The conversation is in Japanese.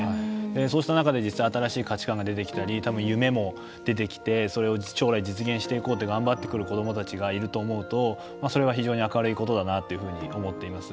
そうした中で実際新しい価値観が出てきたりたぶん、夢も出てきてそれを将来実現していこうって頑張ってくる子どもたちがいると思うと、それは非常に明るいことだなと思っています。